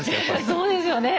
そうですよね。